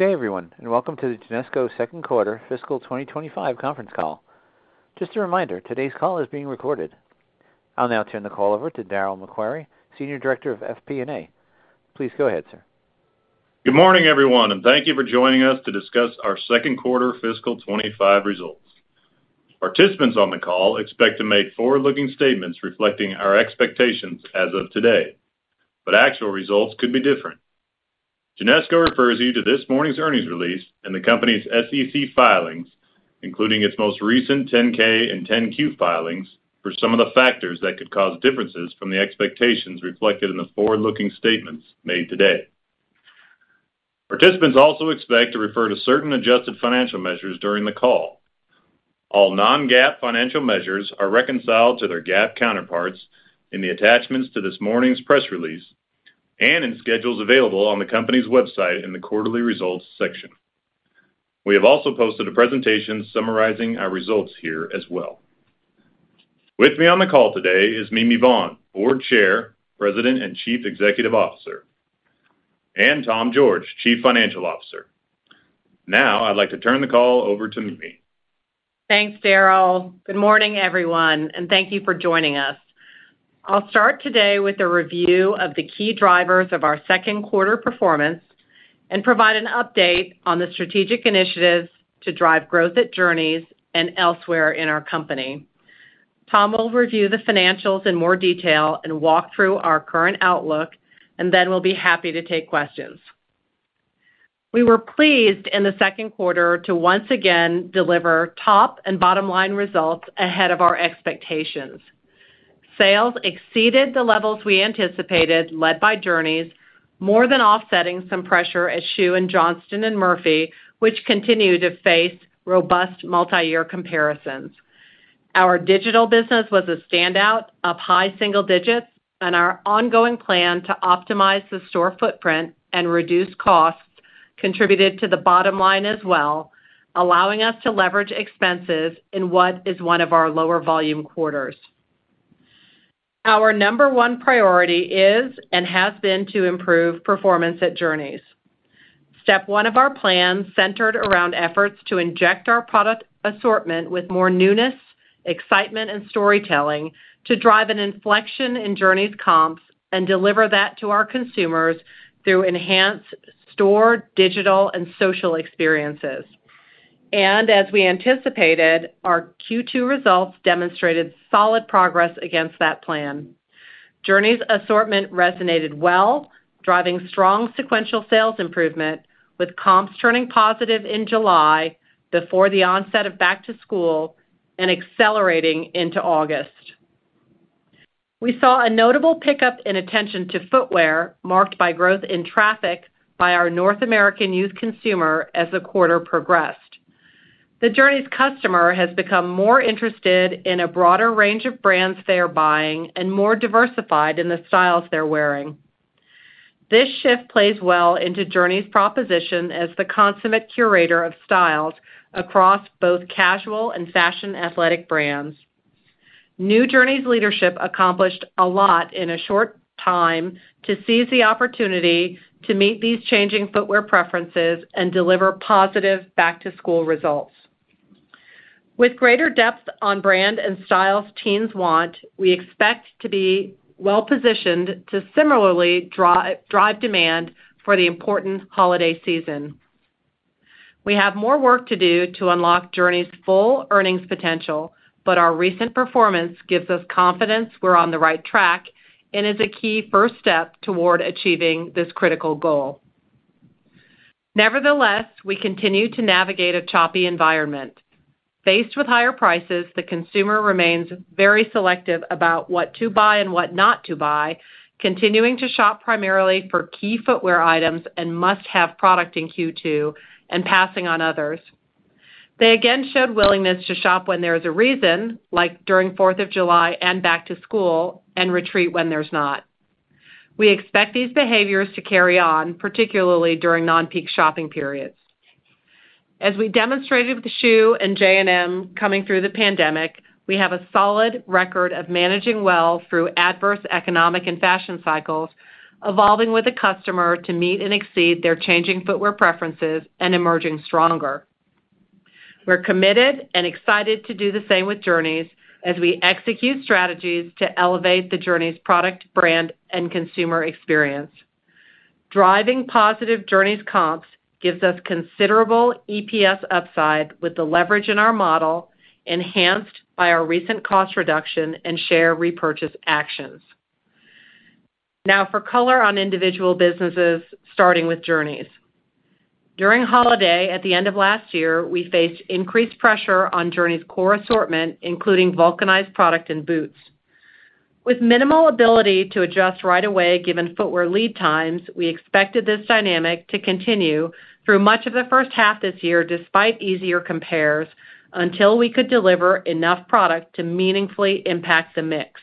Good day, everyone, and welcome to the Genesco second quarter fiscal twenty twenty-five conference call. Just a reminder, today's call is being recorded. I'll now turn the call over to Daryl McQuary, Senior Director of FP&A. Please go ahead, sir. Good morning, everyone, and thank you for joining us to discuss our second quarter fiscal 2025 results. Participants on the call expect to make forward-looking statements reflecting our expectations as of today, but actual results could be different. Genesco refers you to this morning's earnings release and the company's SEC filings, including its most recent 10-K and 10-Q filings, for some of the factors that could cause differences from the expectations reflected in the forward-looking statements made today. Participants also expect to refer to certain adjusted financial measures during the call. All non-GAAP financial measures are reconciled to their GAAP counterparts in the attachments to this morning's press release and in schedules available on the company's website in the Quarterly Results section. We have also posted a presentation summarizing our results here as well. With me on the call today is Mimi Vaughn, Board Chair, President, and Chief Executive Officer, and Tom George, Chief Financial Officer. Now, I'd like to turn the call over to Mimi. Thanks, Daryl. Good morning, everyone, and thank you for joining us. I'll start today with a review of the key drivers of our second quarter performance and provide an update on the strategic initiatives to drive growth at Journeys and elsewhere in our company. Tom will review the financials in more detail and walk through our current outlook, and then we'll be happy to take questions. We were pleased in the second quarter to once again deliver top and bottom-line results ahead of our expectations. Sales exceeded the levels we anticipated, led by Journeys, more than offsetting some pressure at Schuh and Johnston & Murphy, which continued to face robust multiyear comparisons. Our digital business was a standout, up high single digits, and our ongoing plan to optimize the store footprint and reduce costs contributed to the bottom line as well, allowing us to leverage expenses in what is one of our lower volume quarters. Our number one priority is and has been to improve performance at Journeys. Step one of our plan centered around efforts to inject our product assortment with more newness, excitement, and storytelling to drive an inflection in Journeys comps and deliver that to our consumers through enhanced store, digital, and social experiences, and as we anticipated, our Q2 results demonstrated solid progress against that plan. Journeys' assortment resonated well, driving strong sequential sales improvement, with comps turning positive in July before the onset of back to school and accelerating into August. We saw a notable pickup in attention to footwear, marked by growth in traffic by our North American youth consumer as the quarter progressed. The Journeys customer has become more interested in a broader range of brands they are buying and more diversified in the styles they're wearing. This shift plays well into Journeys' proposition as the consummate curator of styles across both casual and fashion athletic brands. New Journeys leadership accomplished a lot in a short time to seize the opportunity to meet these changing footwear preferences and deliver positive back-to-school results. With greater depth on brand and styles teens want, we expect to be well-positioned to similarly drive demand for the important holiday season. We have more work to do to unlock Journeys' full earnings potential, but our recent performance gives us confidence we're on the right track and is a key first step toward achieving this critical goal. Nevertheless, we continue to navigate a choppy environment. Faced with higher prices, the consumer remains very selective about what to buy and what not to buy, continuing to shop primarily for key footwear items and must-have product in Q2 and passing on others. They again showed willingness to shop when there is a reason, like during Fourth of July and back to school, and retreat when there's not. We expect these behaviors to carry on, particularly during non-peak shopping periods. As we demonstrated with the Schuh and J&M coming through the pandemic, we have a solid record of managing well through adverse economic and fashion cycles, evolving with the customer to meet and exceed their changing footwear preferences and emerging stronger. We're committed and excited to do the same with Journeys as we execute strategies to elevate the Journeys product, brand, and consumer experience. Driving positive Journeys comps gives us considerable EPS upside with the leverage in our model, enhanced by our recent cost reduction and share repurchase actions. Now for color on individual businesses, starting with Journeys. During holiday at the end of last year, we faced increased pressure on Journeys' core assortment, including vulcanized product and boots. With minimal ability to adjust right away, given footwear lead times, we expected this dynamic to continue through much of the first half this year, despite easier comps, until we could deliver enough product to meaningfully impact the mix.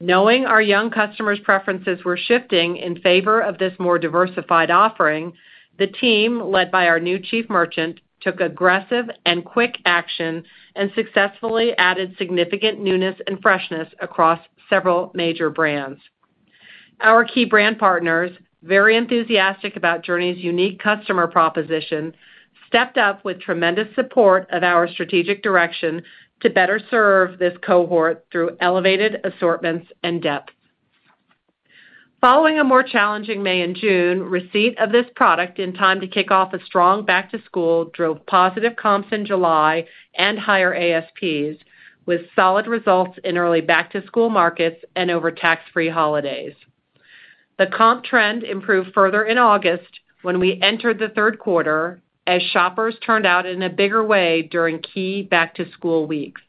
Knowing our young customers' preferences were shifting in favor of this more diversified offering, the team, led by our new chief merchant, took aggressive and quick action and successfully added significant newness and freshness across several major brands.... Our key brand partners, very enthusiastic about Journeys' unique customer proposition, stepped up with tremendous support of our strategic direction to better serve this cohort through elevated assortments and depth. Following a more challenging May and June, receipt of this product in time to kick off a strong back to school drove positive comps in July and higher ASPs, with solid results in early back to school markets and over tax-free holidays. The comp trend improved further in August when we entered the third quarter, as shoppers turned out in a bigger way during key back to school weeks.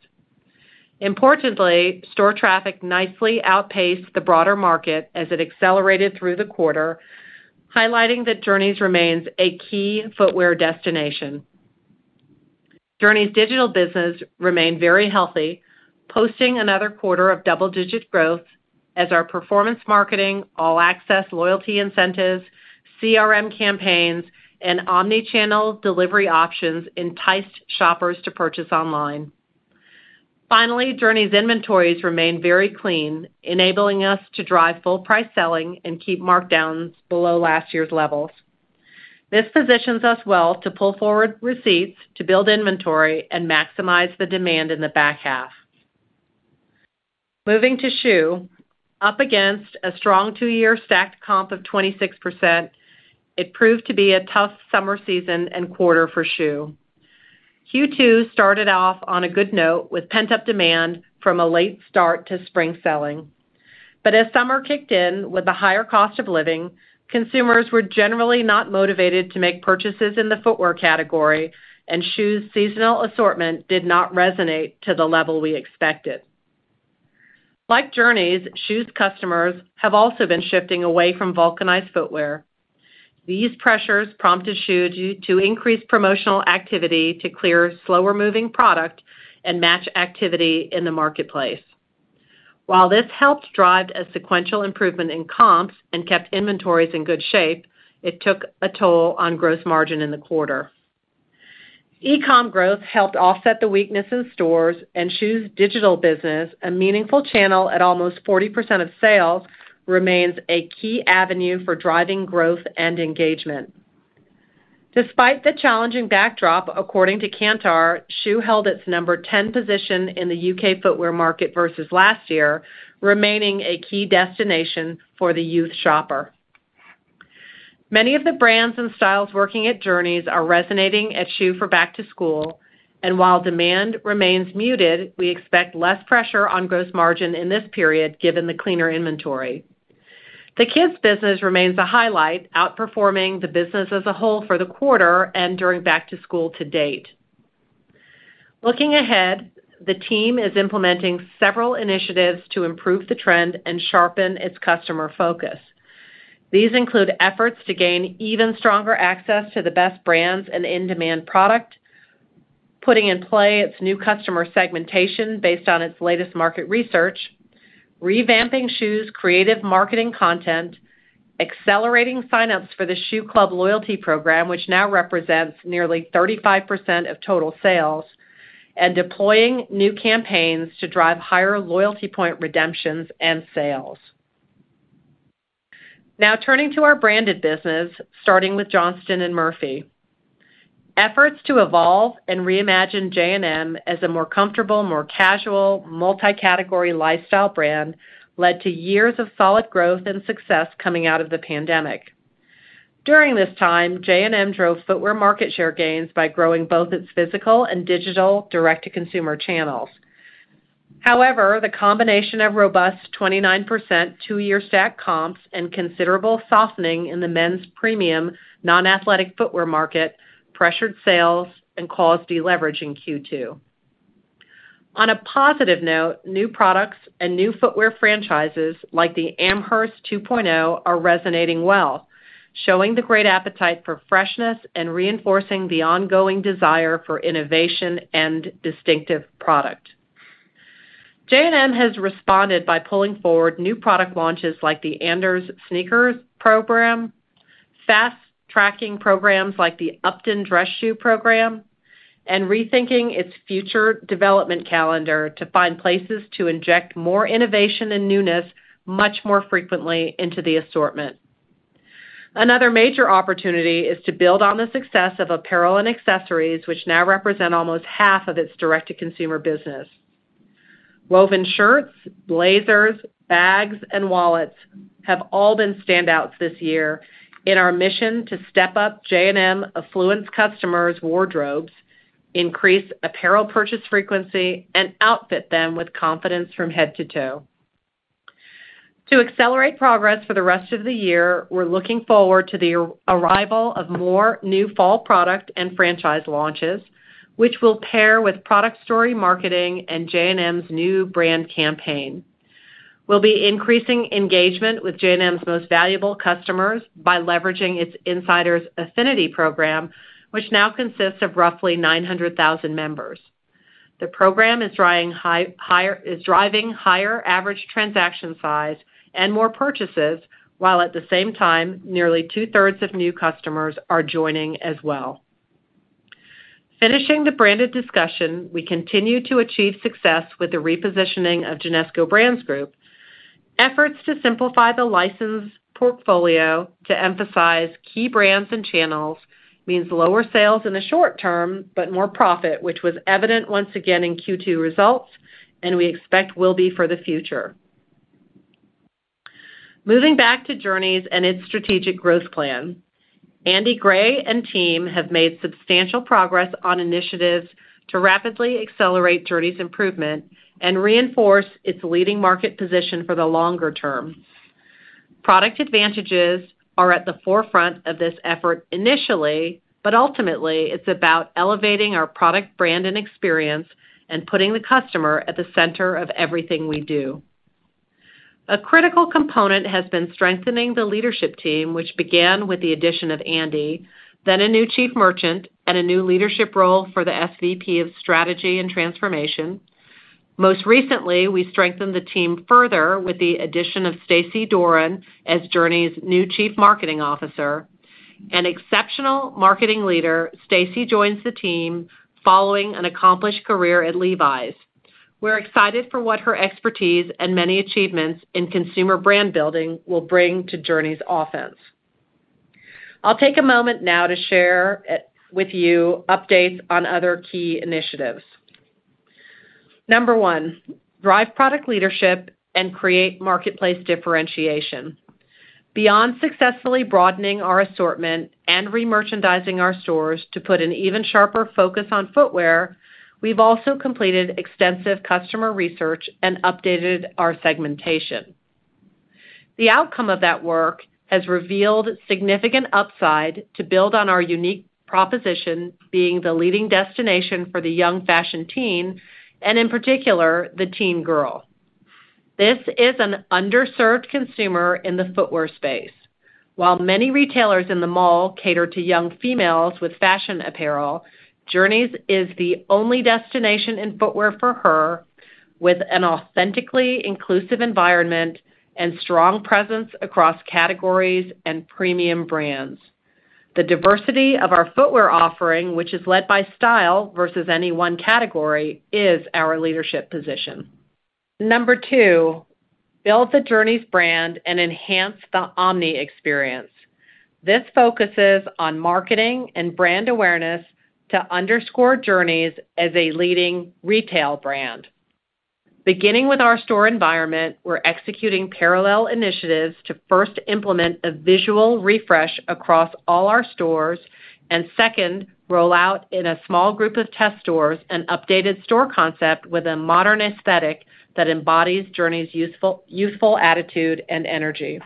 Importantly, store traffic nicely outpaced the broader market as it accelerated through the quarter, highlighting that Journeys remains a key footwear destination. Journeys' digital business remained very healthy, posting another quarter of double-digit growth as our performance marketing, All Access loyalty incentives, CRM campaigns, and omni-channel delivery options enticed shoppers to purchase online. Finally, Journeys' inventories remained very clean, enabling us to drive full price selling and keep markdowns below last year's levels. This positions us well to pull forward receipts, to build inventory and maximize the demand in the back half. Moving to Schuh, up against a strong two-year stacked comp of 26%, it proved to be a tough summer season and quarter for Schuh. Q2 started off on a good note with pent-up demand from a late start to spring selling. But as summer kicked in with a higher cost of living, consumers were generally not motivated to make purchases in the footwear category, and Schuh's seasonal assortment did not resonate to the level we expected. Like Journeys, Schuh's customers have also been shifting away from vulcanized footwear. These pressures prompted Schuh to increase promotional activity to clear slower moving product and match activity in the marketplace. While this helped drive a sequential improvement in comps and kept inventories in good shape, it took a toll on gross margin in the quarter. E-com growth helped offset the weakness in stores and Schuh's digital business, a meaningful channel at almost 40% of sales, remains a key avenue for driving growth and engagement. Despite the challenging backdrop, according to Kantar, Schuh held its number 10 position in the U.K. footwear market versus last year, remaining a key destination for the youth shopper. Many of the brands and styles working at Journeys are resonating at Schuh for back to school, and while demand remains muted, we expect less pressure on gross margin in this period given the cleaner inventory. The kids business remains a highlight, outperforming the business as a whole for the quarter and during back to school to date. Looking ahead, the team is implementing several initiatives to improve the trend and sharpen its customer focus. These include efforts to gain even stronger access to the best brands and in-demand product, putting in play its new customer segmentation based on its latest market research, revamping Schuh's creative marketing content, accelerating signups for the Schuh Club loyalty program, which now represents nearly 35% of total sales, and deploying new campaigns to drive higher loyalty point redemptions and sales. Now turning to our branded business, starting with Johnston & Murphy. Efforts to evolve and reimagine J&M as a more comfortable, more casual, multi-category lifestyle brand led to years of solid growth and success coming out of the pandemic. During this time, J&M drove footwear market share gains by growing both its physical and digital direct-to-consumer channels. However, the combination of robust 29% two-year stacked comps and considerable softening in the men's premium, non-athletic footwear market pressured sales and caused deleverage in Q2. On a positive note, new products and new footwear franchises like the Amherst 2.0 are resonating well, showing the great appetite for freshness and reinforcing the ongoing desire for innovation and distinctive product. J&M has responded by pulling forward new product launches like the Anders Sneakers program, fast tracking programs like the Upton Dress Shoe program, and rethinking its future development calendar to find places to inject more innovation and newness much more frequently into the assortment. Another major opportunity is to build on the success of apparel and accessories, which now represent almost half of its direct-to-consumer business. Woven shirts, blazers, bags, and wallets have all been standouts this year in our mission to step up J&M affluent customers' wardrobes, increase apparel purchase frequency, and outfit them with confidence from head to toe. To accelerate progress for the rest of the year, we're looking forward to the arrival of more new fall product and franchise launches, which will pair with product story marketing and J&M's new brand campaign. We'll be increasing engagement with J&M's most valuable customers by leveraging its Insiders Affinity program, which now consists of roughly 900,000 members. The program is driving higher average transaction size and more purchases, while at the same time, nearly two-thirds of new customers are joining as well. Finishing the branded discussion, we continue to achieve success with the repositioning of Genesco Brands Group. Efforts to simplify the license portfolio to emphasize key brands and channels means lower sales in the short term, but more profit, which was evident once again in Q2 results, and we expect will be for the future. Moving back to Journeys and its strategic growth plan, Andy Gray and team have made substantial progress on initiatives to rapidly accelerate Journeys' improvement and reinforce its leading market position for the longer term. Product advantages are at the forefront of this effort initially, but ultimately, it's about elevating our product brand and experience and putting the customer at the center of everything we do. A critical component has been strengthening the leadership team, which began with the addition of Andy, then a new chief merchant, and a new leadership role for the SVP of Strategy and Transformation. Most recently, we strengthened the team further with the addition of Stacy Doran as Journeys' new Chief Marketing Officer. An exceptional marketing leader, Stacy joins the team following an accomplished career at Levi's. We're excited for what her expertise and many achievements in consumer brand building will bring to Journeys' offense. I'll take a moment now to share with you updates on other key initiatives. Number one: drive product leadership and create marketplace differentiation. Beyond successfully broadening our assortment and remerchandising our stores to put an even sharper focus on footwear, we've also completed extensive customer research and updated our segmentation. The outcome of that work has revealed significant upside to build on our unique proposition, being the leading destination for the young fashion teen, and in particular, the teen girl. This is an underserved consumer in the footwear space. While many retailers in the mall cater to young females with fashion apparel, Journeys is the only destination in footwear for her, with an authentically inclusive environment and strong presence across categories and premium brands. The diversity of our footwear offering, which is led by style versus any one category, is our leadership position. Number two, build the Journeys brand and enhance the omni experience. This focuses on marketing and brand awareness to underscore Journeys as a leading retail brand. Beginning with our store environment, we're executing parallel initiatives to first implement a visual refresh across all our stores, and second, roll out in a small group of test stores an updated store concept with a modern aesthetic that embodies Journeys' useful, youthful attitude and energy.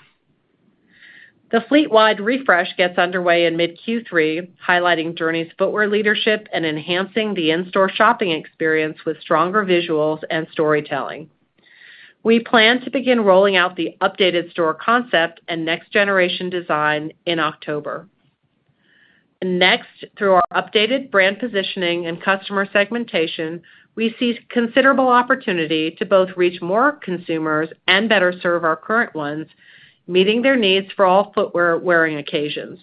The fleet-wide refresh gets underway in mid-Q3, highlighting Journeys' footwear leadership and enhancing the in-store shopping experience with stronger visuals and storytelling. We plan to begin rolling out the updated store concept and next generation design in October. Next, through our updated brand positioning and customer segmentation, we see considerable opportunity to both reach more consumers and better serve our current ones, meeting their needs for all footwear-wearing occasions.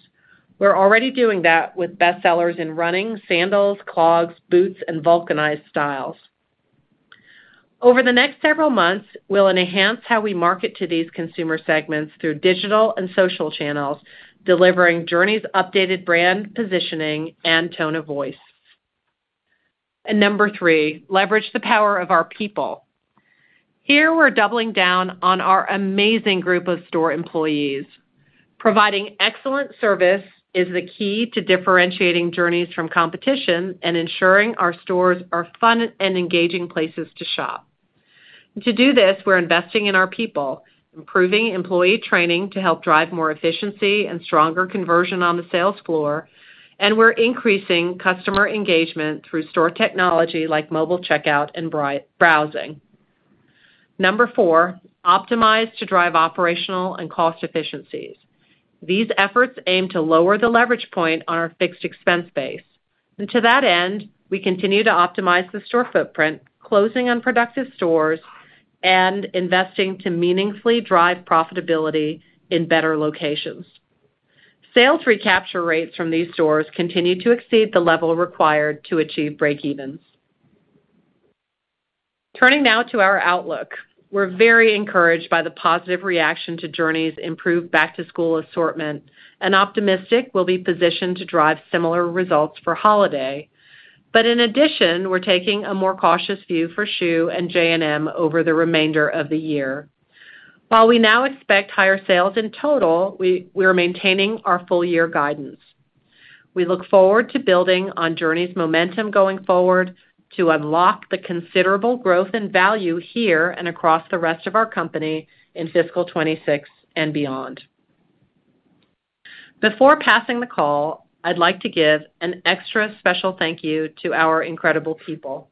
We're already doing that with bestsellers in running, sandals, clogs, boots, and vulcanized styles. Over the next several months, we'll enhance how we market to these consumer segments through digital and social channels, delivering Journeys' updated brand positioning and tone of voice, and number three, leverage the power of our people. Here, we're doubling down on our amazing group of store employees. Providing excellent service is the key to differentiating Journeys from competition and ensuring our stores are fun and engaging places to shop. To do this, we're investing in our people, improving employee training to help drive more efficiency and stronger conversion on the sales floor, and we're increasing customer engagement through store technology like mobile checkout and browsing. Number four, optimize to drive operational and cost efficiencies. These efforts aim to lower the leverage point on our fixed expense base. And to that end, we continue to optimize the store footprint, closing unproductive stores and investing to meaningfully drive profitability in better locations. Sales recapture rates from these stores continue to exceed the level required to achieve breakevens. Turning now to our outlook. We're very encouraged by the positive reaction to Journeys' improved back-to-school assortment and optimistic we'll be positioned to drive similar results for holiday. But in addition, we're taking a more cautious view for Schuh and J&M over the remainder of the year. While we now expect higher sales in total, we are maintaining our full-year guidance. We look forward to building on Journeys' momentum going forward to unlock the considerable growth and value here and across the rest of our company in fiscal twenty six and beyond. Before passing the call, I'd like to give an extra special thank you to our incredible people.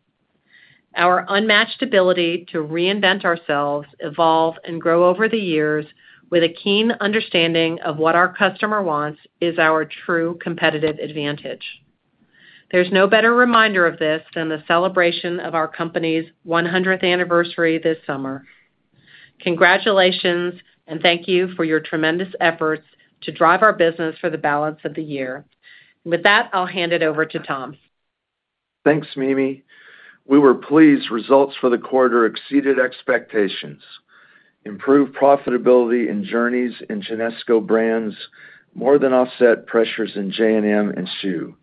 Our unmatched ability to reinvent ourselves, evolve, and grow over the years with a keen understanding of what our customer wants, is our true competitive advantage. There's no better reminder of this than the celebration of our company's one hundredth anniversary this summer. Congratulations, and thank you for your tremendous efforts to drive our business for the balance of the year. With that, I'll hand it over to Tom. Thanks, Mimi. We were pleased results for the quarter exceeded expectations. Improved profitability in Journeys and Genesco Brands more than offset pressures in J&M and Schuh.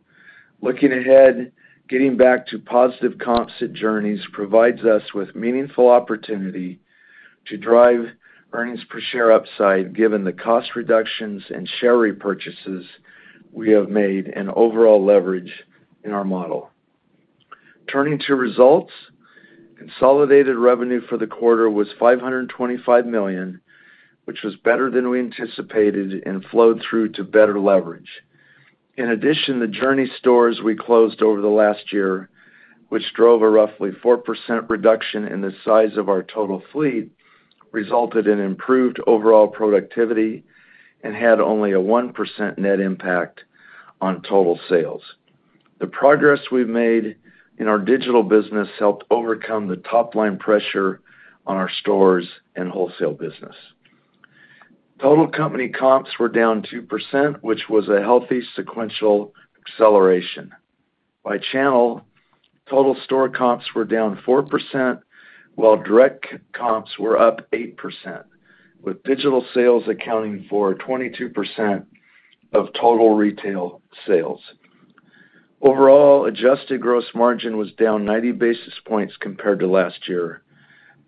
Looking ahead, getting back to positive comps at Journeys provides us with meaningful opportunity to drive earnings per share upside, given the cost reductions and share repurchases we have made and overall leverage in our model. Turning to results, consolidated revenue for the quarter was $525 million, which was better than we anticipated and flowed through to better leverage. In addition, the Journeys stores we closed over the last year, which drove a roughly 4% reduction in the size of our total fleet, resulted in improved overall productivity and had only a 1% net impact on total sales. The progress we've made in our digital business helped overcome the top-line pressure on our stores and wholesale business. Total company comps were down 2%, which was a healthy sequential acceleration. By channel, total store comps were down 4%, while direct comps were up 8%, with digital sales accounting for 22% of total retail sales. Overall, adjusted gross margin was down 90 basis points compared to last year.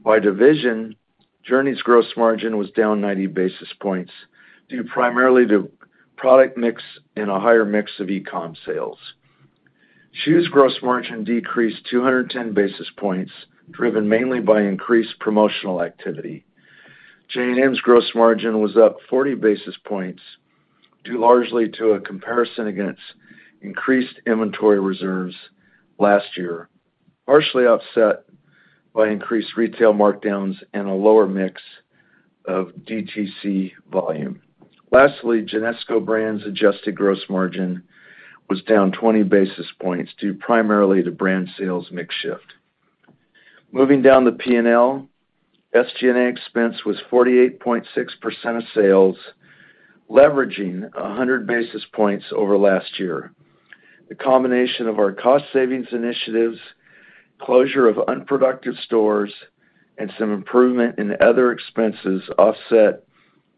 By division, Journeys' gross margin was down 90 basis points, due primarily to product mix and a higher mix of e-com sales. Schuh's gross margin decreased 210 basis points, driven mainly by increased promotional activity. J&M's gross margin was up 40 basis points, due largely to a comparison against increased inventory reserves last year, partially offset by increased retail markdowns and a lower mix of DTC volume. Lastly, Genesco Brands' adjusted gross margin was down 20 basis points, due primarily to brand sales mix shift. Moving down the P&L, SG&A expense was 48.6% of sales, leveraging 100 basis points over last year. The combination of our cost savings initiatives, closure of unproductive stores, and some improvement in other expenses offset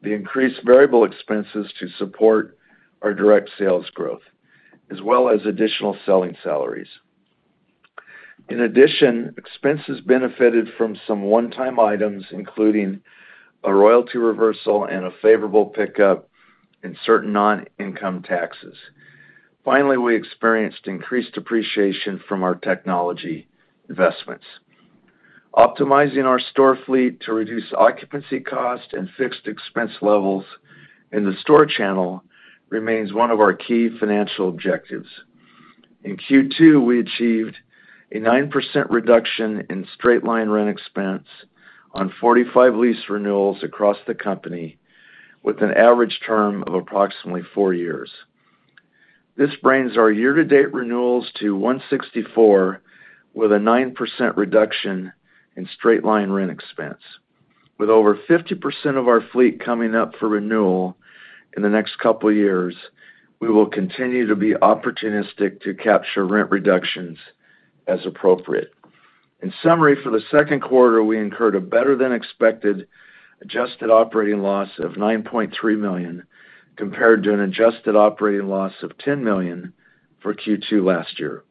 the increased variable expenses to support our direct sales growth, as well as additional selling salaries. In addition, expenses benefited from some one-time items, including a royalty reversal and a favorable pickup in certain non-income taxes. Finally, we experienced increased depreciation from our technology investments. Optimizing our store fleet to reduce occupancy cost and fixed expense levels in the store channel remains one of our key financial objectives. In Q2, we achieved a 9% reduction in straight line rent expense on 45 lease renewals across the company, with an average term of approximately four years. This brings our year-to-date renewals to 164, with a 9% reduction in straight-line rent expense. With over 50% of our fleet coming up for renewal in the next couple of years, we will continue to be opportunistic to capture rent reductions as appropriate. In summary, for the second quarter, we incurred a better-than-expected adjusted operating loss of $9.3 million, compared to an adjusted operating loss of $10 million for Q2 last year.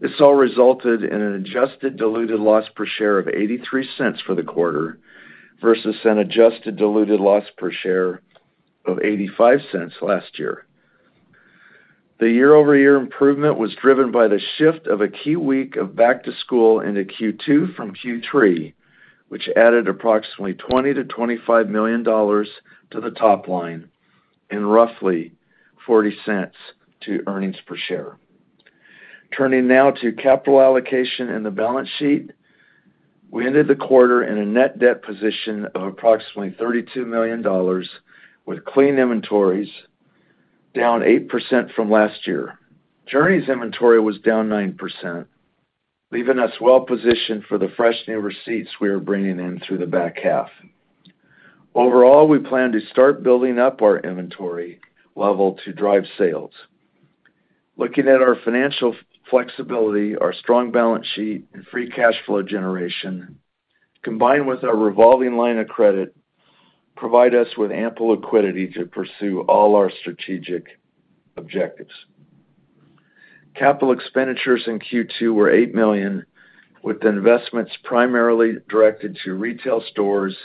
This all resulted in an adjusted diluted loss per share of $0.83 for the quarter, versus an adjusted diluted loss per share of $0.85 last year. The year-over-year improvement was driven by the shift of a key week of back-to-school into Q2 from Q3, which added approximately $20-$25 million to the top line and roughly $0.40 to earnings per share. Turning now to capital allocation and the balance sheet. We ended the quarter in a net debt position of approximately $32 million, with clean inventories down 8% from last year. Journeys' inventory was down 9%, leaving us well positioned for the fresh new receipts we are bringing in through the back half. Overall, we plan to start building up our inventory level to drive sales. Looking at our financial flexibility, our strong balance sheet, and free cash flow generation, combined with our revolving line of credit, provide us with ample liquidity to pursue all our strategic objectives. Capital expenditures in Q2 were $8 million, with investments primarily directed to retail stores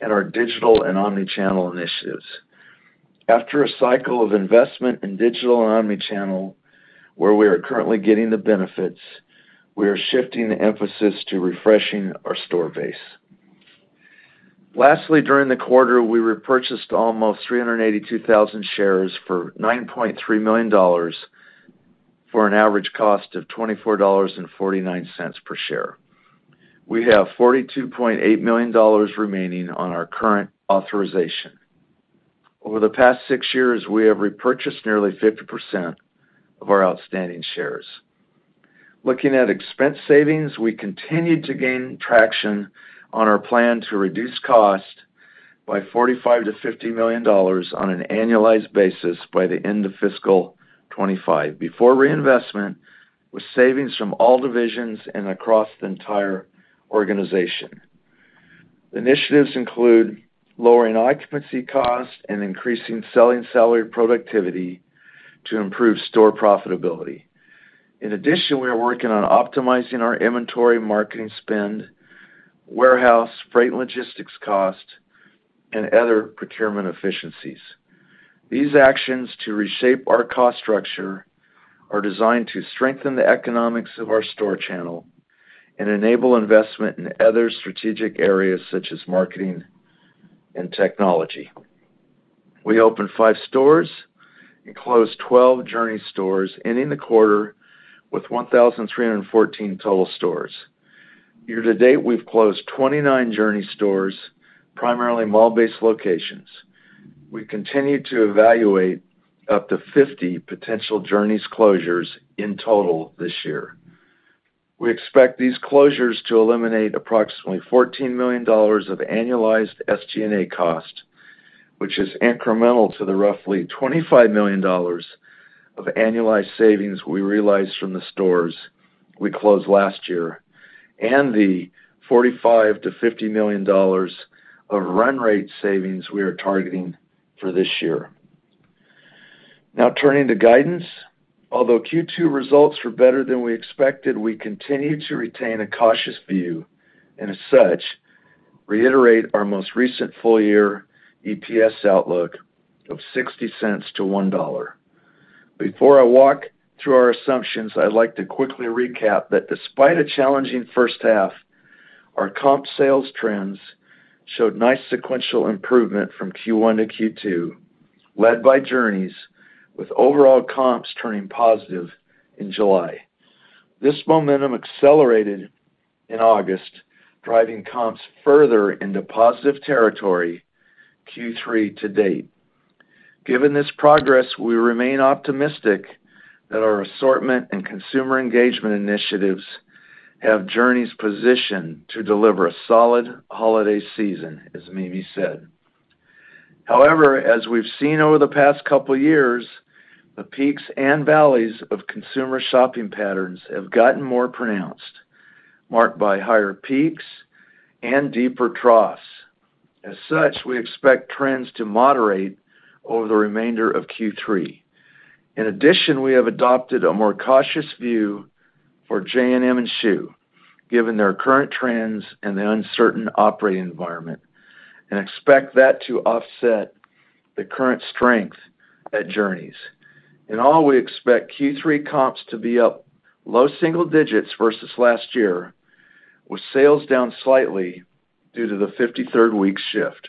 and our digital and omni-channel initiatives. After a cycle of investment in digital and omni-channel, where we are currently getting the benefits, we are shifting the emphasis to refreshing our store base. Lastly, during the quarter, we repurchased almost 382,000 shares for $9.3 million, for an average cost of $24.49 per share. We have $42.8 million remaining on our current authorization. Over the past six years, we have repurchased nearly 50% of our outstanding shares. Looking at expense savings, we continued to gain traction on our plan to reduce cost by $45-$50 million on an annualized basis by the end of fiscal 2025, before reinvestment, with savings from all divisions and across the entire organization. Initiatives include lowering occupancy costs and increasing selling salary productivity to improve store profitability. In addition, we are working on optimizing our inventory, marketing spend, warehouse, freight and logistics cost, and other procurement efficiencies. These actions to reshape our cost structure are designed to strengthen the economics of our store channel and enable investment in other strategic areas such as marketing and technology. We opened five stores and closed 12 Journeys stores, ending the quarter with 1,314 total stores. Year to date, we've closed 29 Journeys stores, primarily mall-based locations. We continue to evaluate up to 50 potential Journeys closures in total this year. We expect these closures to eliminate approximately $14 million of annualized SG&A cost, which is incremental to the roughly $25 million of annualized savings we realized from the stores we closed last year, and the $45 million-$50 million of run rate savings we are targeting for this year. Now, turning to guidance. Although Q2 results were better than we expected, we continue to retain a cautious view, and as such, reiterate our most recent full-year EPS outlook of $0.60-$1. Before I walk through our assumptions, I'd like to quickly recap that despite a challenging first half, our comp sales trends showed nice sequential improvement from Q1 to Q2, led by Journeys, with overall comps turning positive in July. This momentum accelerated in August, driving comps further into positive territory Q3 to date. Given this progress, we remain optimistic that our assortment and consumer engagement initiatives have Journeys positioned to deliver a solid holiday season, as Mimi said. However, as we've seen over the past couple of years, the peaks and valleys of consumer shopping patterns have gotten more pronounced, marked by higher peaks and deeper troughs. As such, we expect trends to moderate over the remainder of Q3. In addition, we have adopted a more cautious view for J&M and Schuh, given their current trends and the uncertain operating environment, and expect that to offset the current strength at Journeys. In all, we expect Q3 comps to be up low single digits versus last year, with sales down slightly due to the fifty-third week shift.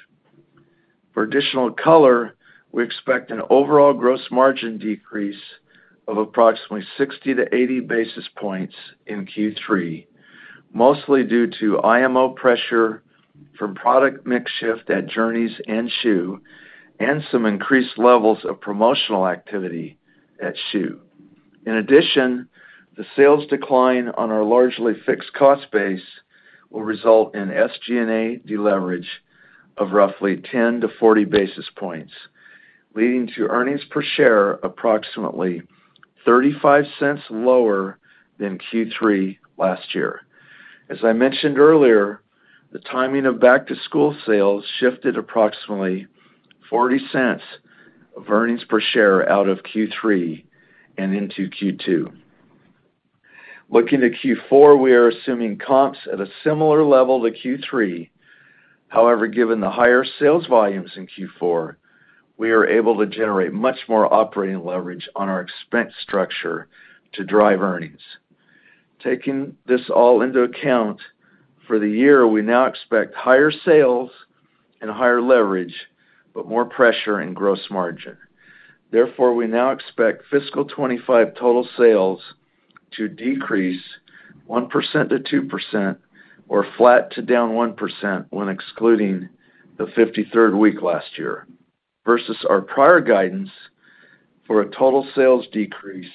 For additional color, we expect an overall gross margin decrease of approximately 60-80 basis points in Q3, mostly due to mix pressure from product mix shift at Journeys and Schuh, and some increased levels of promotional activity at Schuh. In addition, the sales decline on our largely fixed cost base will result in SG&A deleverage of roughly 10-40 basis points, leading to earnings per share approximately $0.35 lower than Q3 last year. As I mentioned earlier, the timing of back-to-school sales shifted approximately $0.40 of earnings per share out of Q3 and into Q2. Looking to Q4, we are assuming comps at a similar level to Q3. However, given the higher sales volumes in Q4, we are able to generate much more operating leverage on our expense structure to drive earnings. Taking this all into account, for the year, we now expect higher sales and higher leverage, but more pressure in gross margin. Therefore, we now expect fiscal 2025 total sales to decrease 1%-2% or flat to down 1% when excluding the fifty-third week last year, versus our prior guidance for a total sales decrease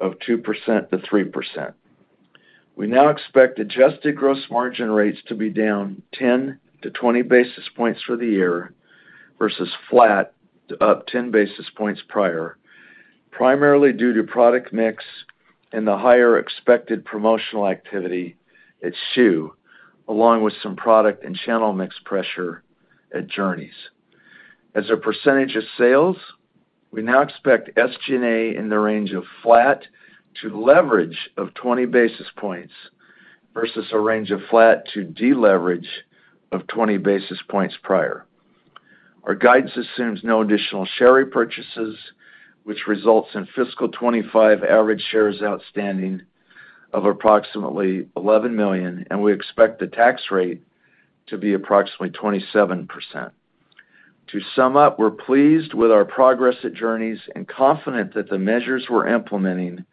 of 2%-3%. We now expect adjusted gross margin rates to be down 10-20 basis points for the year versus flat to up 10 basis points prior, primarily due to product mix and the higher expected promotional activity at Schuh, along with some product and channel mix pressure at Journeys. As a percentage of sales, we now expect SG&A in the range of flat to leverage of 20 basis points versus a range of flat to deleverage of 20 basis points prior. Our guidance assumes no additional share repurchases, which results in fiscal 2025 average shares outstanding of approximately 11 million, and we expect the tax rate to be approximately 27%. To sum up, we're pleased with our progress at Journeys and confident that the measures we're implementing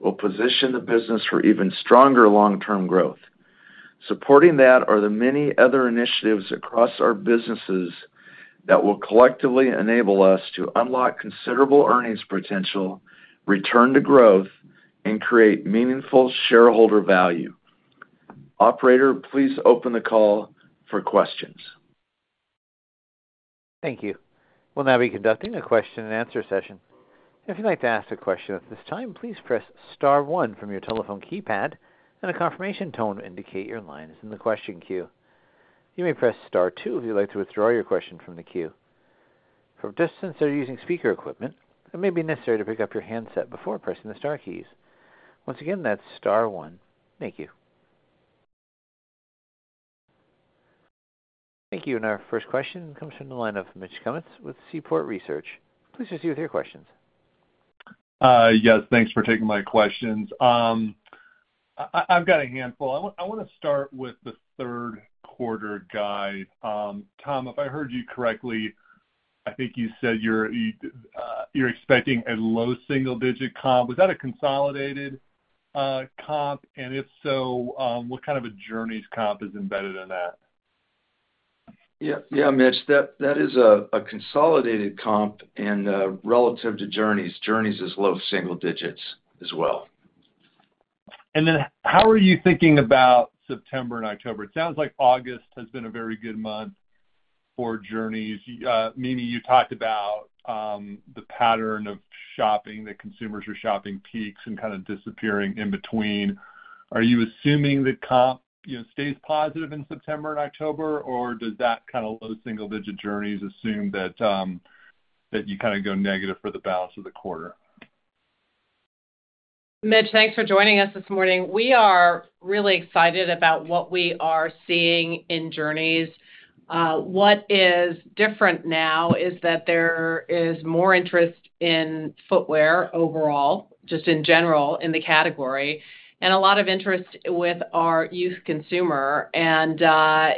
will position the business for even stronger long-term growth.... Supporting that are the many other initiatives across our businesses that will collectively enable us to unlock considerable earnings potential, return to growth, and create meaningful shareholder value. Operator, please open the call for questions. Thank you. We'll now be conducting a question-and-answer session. If you'd like to ask a question at this time, please press star one from your telephone keypad, and a confirmation tone will indicate your line is in the question queue. You may press star two if you'd like to withdraw your question from the queue. For participants that are using speaker equipment, it may be necessary to pick up your handset before pressing the star keys. Once again, that's star one. Thank you. Thank you, and our first question comes from the line of Mitch Kummetz with Seaport Research. Please proceed with your questions. Yes, thanks for taking my questions. I've got a handful. I wanna start with the third quarter guide. Tom, if I heard you correctly, I think you said you're expecting a low single-digit comp. Was that a consolidated comp? And if so, what kind of a Journeys comp is embedded in that? Yeah, yeah, Mitch, that is a consolidated comp, and relative to Journeys, Journeys is low single digits as well. And then how are you thinking about September and October? It sounds like August has been a very good month for Journeys. Mimi, you talked about the pattern of shopping, that consumers are shopping peaks and kind of disappearing in between. Are you assuming the comp, you know, stays positive in September and October, or does that kind of low single digit Journeys assume that you kind of go negative for the balance of the quarter? Mitch, thanks for joining us this morning. We are really excited about what we are seeing in Journeys, what is different now is that there is more interest in footwear overall, just in general in the category, and a lot of interest with our youth consumer, and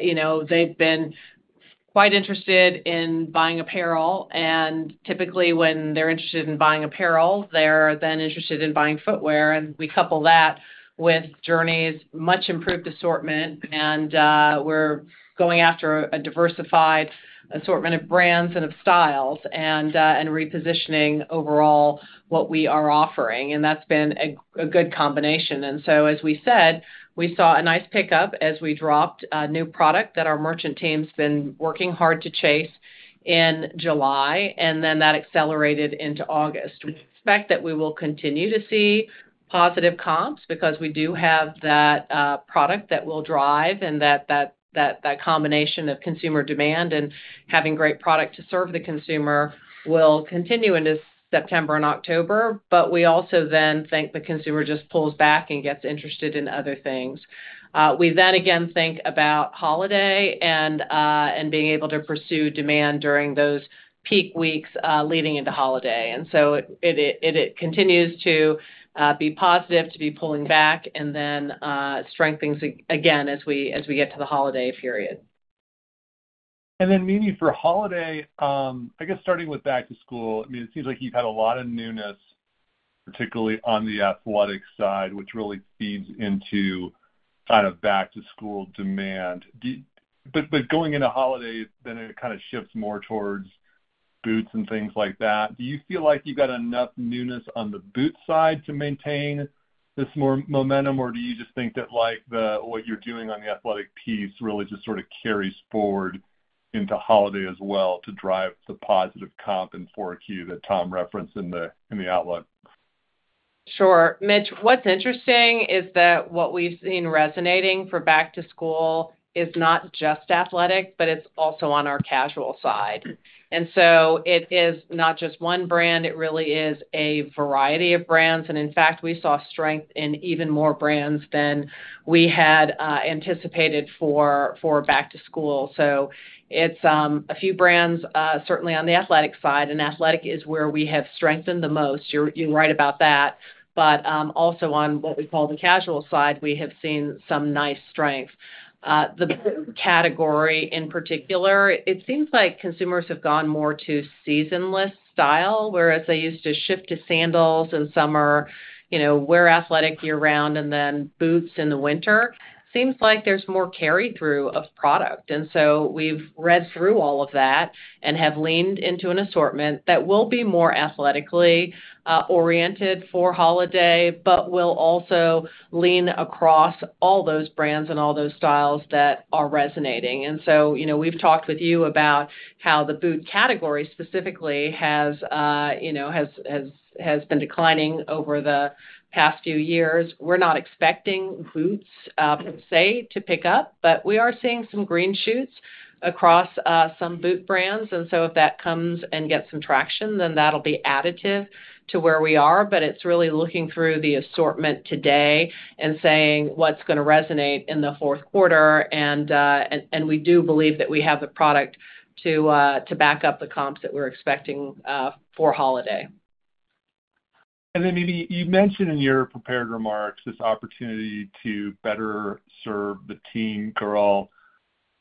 you know, they've been quite interested in buying apparel, and typically, when they're interested in buying apparel, they're then interested in buying footwear, and we couple that with Journeys' much improved assortment, and we're going after a diversified assortment of brands and of styles and, and repositioning overall what we are offering, and that's been a good combination, and so, as we said, we saw a nice pickup as we dropped a new product that our merchant team's been working hard to chase in July, and then that accelerated into August. We expect that we will continue to see positive comps because we do have that product that will drive and that combination of consumer demand and having great product to serve the consumer will continue into September and October, but we also then think the consumer just pulls back and gets interested in other things. We then again think about holiday and being able to pursue demand during those peak weeks leading into holiday, and so it continues to be positive, to be pulling back and then strengthens again as we get to the holiday period. And then, Mimi, for holiday, I guess starting with back to school, I mean, it seems like you've had a lot of newness, particularly on the athletic side, which really feeds into kind of back-to-school demand. But going into holidays, then it kind of shifts more towards boots and things like that. Do you feel like you've got enough newness on the boot side to maintain this more momentum, or do you just think that, like, what you're doing on the athletic piece really just sort of carries forward into holiday as well to drive the positive comp in 4Q that Tom referenced in the outlook? Sure. Mitch, what's interesting is that what we've seen resonating for back to school is not just athletic, but it's also on our casual side. And so it is not just one brand, it really is a variety of brands. And in fact, we saw strength in even more brands than we had anticipated for back to school. So it's a few brands, certainly on the athletic side, and athletic is where we have strengthened the most. You're right about that. But also on what we call the casual side, we have seen some nice strength. The boot category in particular, it seems like consumers have gone more to seasonless style, whereas they used to shift to sandals in summer, you know, wear athletic year-round, and then boots in the winter. Seems like there's more carry-through of product, and so we've read through all of that and have leaned into an assortment that will be more athletically oriented for holiday, but will also lean across all those brands and all those styles that are resonating. And so, you know, we've talked with you about how the boot category specifically has been declining over the past few years. We're not expecting boots per se to pick up, but we are seeing some green shoots across some boot brands, and so if that comes and gets some traction, then that'll be additive to where we are. But it's really looking through the assortment today and saying, what's gonna resonate in the fourth quarter? We do believe that we have the product to back up the comps that we're expecting for holiday. And then, Mimi, you mentioned in your prepared remarks this opportunity to better serve the teen girl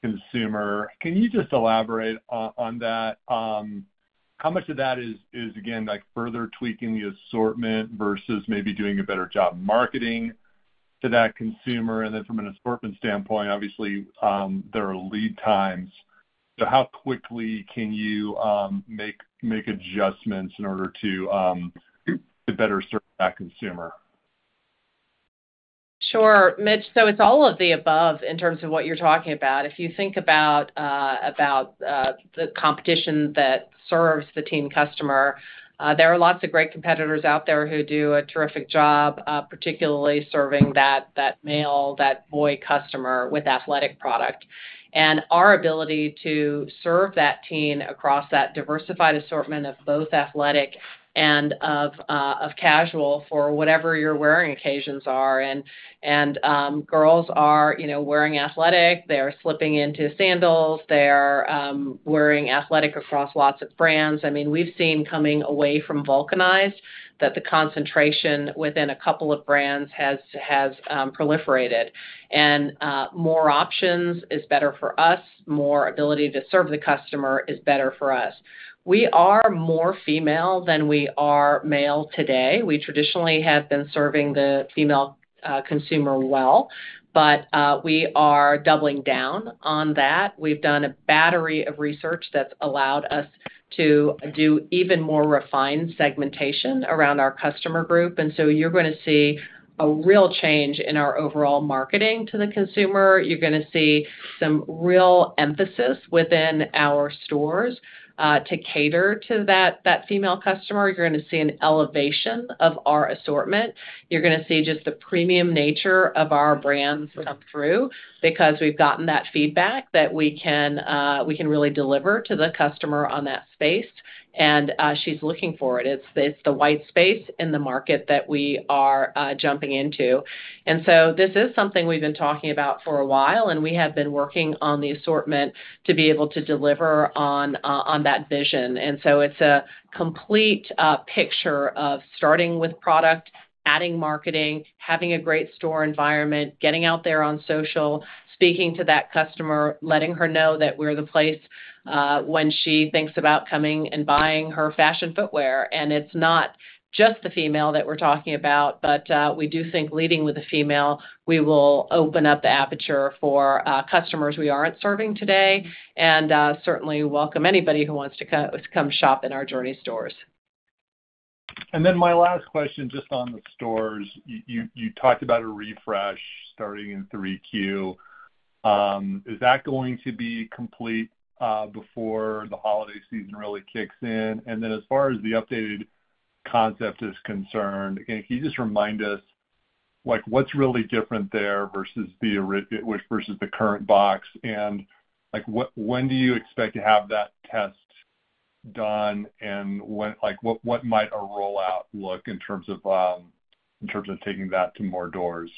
consumer. Can you just elaborate on that? How much of that is again, like further tweaking the assortment versus maybe doing a better job marketing to that consumer? And then from an assortment standpoint, obviously, there are lead times. So how quickly can you make adjustments in order to better serve that consumer? Sure, Mitch. So it's all of the above in terms of what you're talking about. If you think about the competition that serves the teen customer, there are lots of great competitors out there who do a terrific job, particularly serving that male, that boy customer with athletic product. And our ability to serve that teen across that diversified assortment of both athletic and of casual for whatever you're wearing occasions are. And girls are, you know, wearing athletic, they're slipping into sandals, they're wearing athletic across lots of brands. I mean, we've seen coming away from vulcanized, that the concentration within a couple of brands has proliferated. And more options is better for us, more ability to serve the customer is better for us. We are more female than we are male today. We traditionally have been serving the female consumer well, but we are doubling down on that. We've done a battery of research that's allowed us to do even more refined segmentation around our customer group, and so you're gonna see a real change in our overall marketing to the consumer. You're gonna see some real emphasis within our stores to cater to that female customer. You're gonna see an elevation of our assortment. You're gonna see just the premium nature of our brands come through because we've gotten that feedback that we can really deliver to the customer on that space, and she's looking for it. It's the white space in the market that we are jumping into. And so this is something we've been talking about for a while, and we have been working on the assortment to be able to deliver on that vision. And so it's a complete picture of starting with product, adding marketing, having a great store environment, getting out there on social, speaking to that customer, letting her know that we're the place when she thinks about coming and buying her fashion footwear. And it's not just the female that we're talking about, but we do think leading with a female, we will open up the aperture for customers we aren't serving today, and certainly welcome anybody who wants to come shop in our Journeys stores. And then my last question, just on the stores. You talked about a refresh starting in Q3. Is that going to be complete before the holiday season really kicks in? And then as far as the updated concept is concerned, and can you just remind us, like, what's really different there versus the current box? And like, when do you expect to have that test done, and when, like, what might a rollout look in terms of taking that to more doors?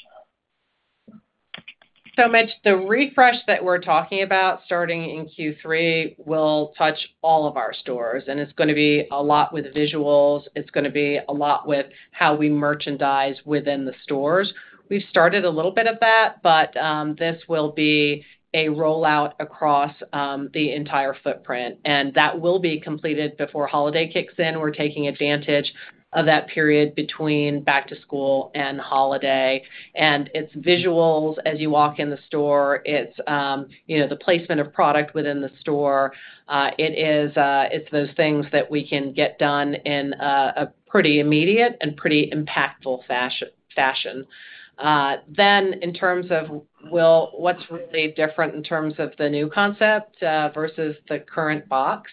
So, Mitch, the refresh that we're talking about, starting in Q3, will touch all of our stores, and it's gonna be a lot with visuals. It's gonna be a lot with how we merchandise within the stores. We've started a little bit of that, but this will be a rollout across the entire footprint, and that will be completed before holiday kicks in. We're taking advantage of that period between back to school and holiday. And it's visuals as you walk in the store. It's, you know, the placement of product within the store. It is, it's those things that we can get done in a pretty immediate and pretty impactful fashion. Then in terms of what's really different in terms of the new concept versus the current box,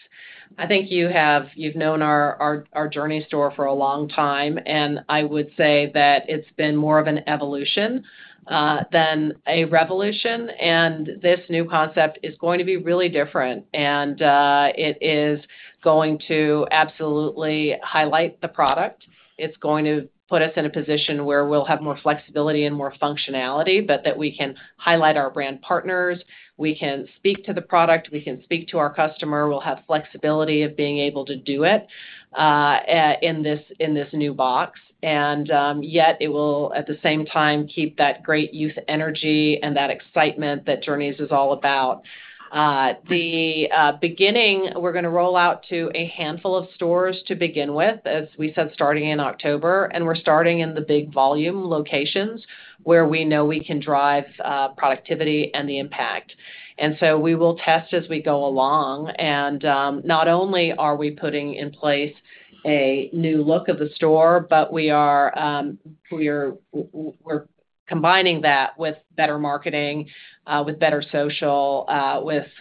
I think you have... You've known our Journeys store for a long time, and I would say that it's been more of an evolution than a revolution, and this new concept is going to be really different. It is going to absolutely highlight the product. It's going to put us in a position where we'll have more flexibility and more functionality, but that we can highlight our brand partners, we can speak to the product, we can speak to our customer. We'll have flexibility of being able to do it in this new box. Yet it will, at the same time, keep that great youth energy and that excitement that Journeys is all about. The beginning, we're gonna roll out to a handful of stores to begin with, as we said, starting in October, and we're starting in the big volume locations, where we know we can drive productivity and the impact, so we will test as we go along, and not only are we putting in place a new look of the store, but we are combining that with better marketing, with better social,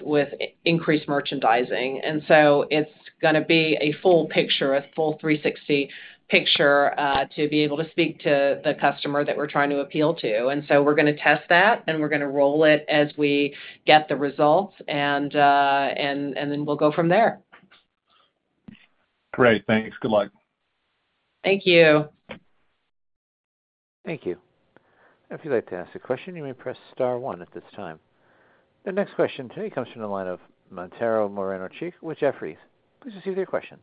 with increased merchandising, so it's gonna be a full picture, a full three sixty picture to be able to speak to the customer that we're trying to appeal to, so we're gonna test that, and we're gonna roll it as we get the results, and then we'll go from there. Great. Thanks. Good luck. Thank you. Thank you. If you'd like to ask a question, you may press star one at this time. The next question today comes from the line of Mantero Moreno-Cheek with Jefferies. Please proceed with your questions....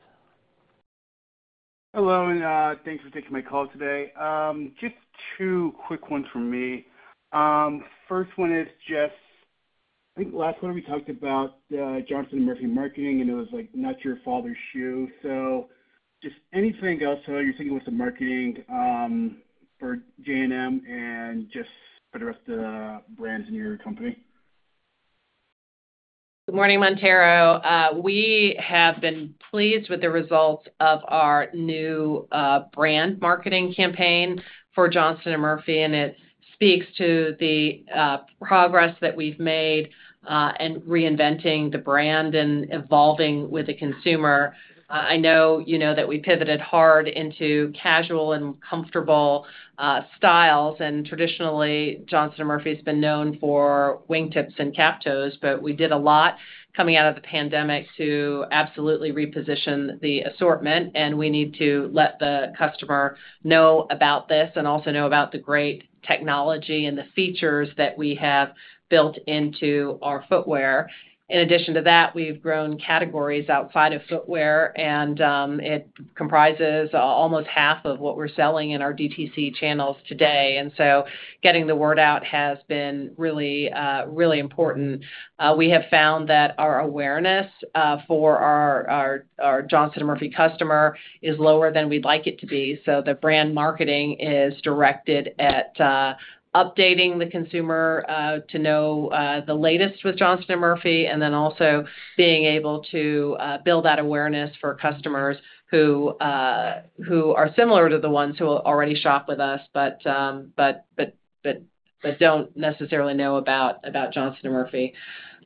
Hello, and, thanks for taking my call today. Just two quick ones from me. First one is just, I think last quarter, we talked about, Johnston & Murphy marketing, and it was like, not your father's shoe. So just anything else how you're thinking with the marketing, for JNM and just for the rest of the brands in your company? Good morning, Mantero. We have been pleased with the results of our new brand marketing campaign for Johnston & Murphy, and it speaks to the progress that we've made in reinventing the brand and evolving with the consumer. I know you know that we pivoted hard into casual and comfortable styles, and traditionally, Johnston & Murphy has been known for wingtips and cap toes, but we did a lot coming out of the pandemic to absolutely reposition the assortment, and we need to let the customer know about this and also know about the great technology and the features that we have built into our footwear. In addition to that, we've grown categories outside of footwear, and it comprises almost half of what we're selling in our DTC channels today, and so getting the word out has been really really important. We have found that our awareness for our Johnston & Murphy customer is lower than we'd like it to be, so the brand marketing is directed at updating the consumer to know the latest with Johnston & Murphy, and then also being able to build that awareness for customers who are similar to the ones who already shop with us, but don't necessarily know about Johnston & Murphy.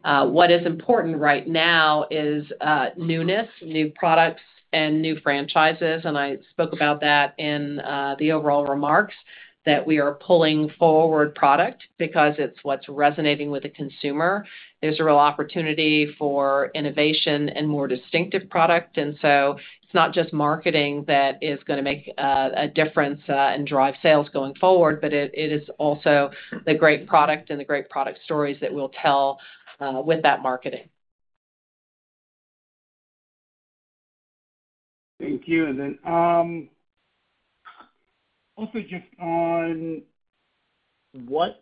What is important right now is newness, new products, and new franchises, and I spoke about that in the overall remarks, that we are pulling forward product because it's what's resonating with the consumer. There's a real opportunity for innovation and more distinctive product, and so it's not just marketing that is gonna make a difference, and drive sales going forward, but it is also the great product and the great product stories that we'll tell with that marketing. Thank you. And then, also just on what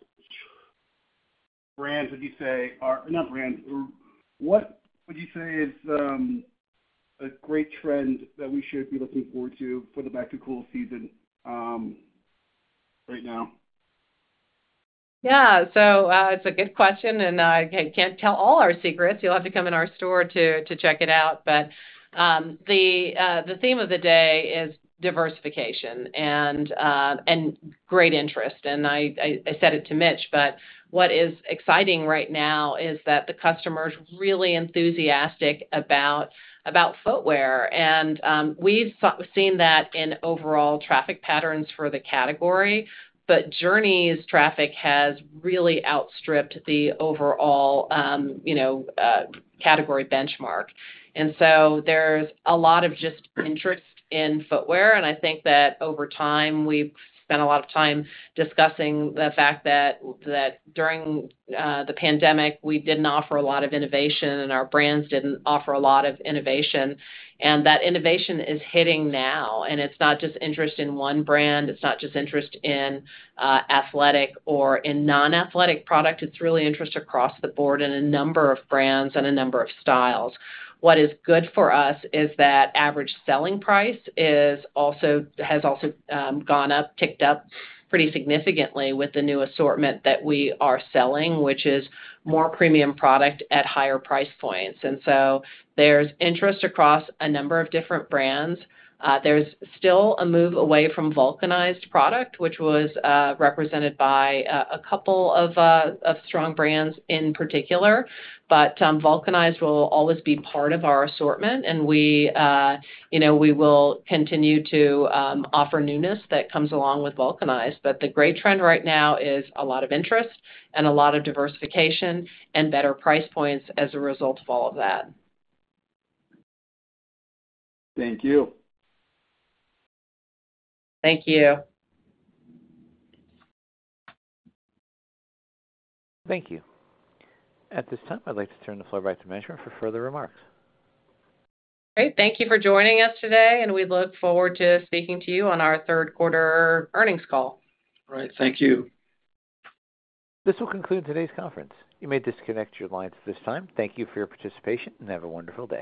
brands would you say are—not brands. What would you say is a great trend that we should be looking forward to for the back-to-school season, right now? Yeah. So, it's a good question, and I can't tell all our secrets. You'll have to come in our store to check it out. But the theme of the day is diversification and great interest. And I said it to Mitch, but what is exciting right now is that the customer's really enthusiastic about footwear, and we've seen that in overall traffic patterns for the category. But Journeys traffic has really outstripped the overall, you know, category benchmark. And so there's a lot of just interest in footwear, and I think that over time, we've spent a lot of time discussing the fact that during the pandemic, we didn't offer a lot of innovation, and our brands didn't offer a lot of innovation. And that innovation is hitting now, and it's not just interest in one brand. It's not just interest in athletic or in non-athletic product. It's really interest across the board in a number of brands and a number of styles. What is good for us is that average selling price has also gone up, ticked up pretty significantly with the new assortment that we are selling, which is more premium product at higher price points. And so there's interest across a number of different brands. There's still a move away from vulcanized product, which was represented by a couple of strong brands in particular, but vulcanized will always be part of our assortment, and we, you know, we will continue to offer newness that comes along with vulcanized. But the great trend right now is a lot of interest and a lot of diversification and better price points as a result of all of that. Thank you. Thank you. Thank you. At this time, I'd like to turn the floor back to Mitch for further remarks. Great. Thank you for joining us today, and we look forward to speaking to you on our third quarter earnings call. All right, thank you. This will conclude today's conference. You may disconnect your lines at this time. Thank you for your participation, and have a wonderful day.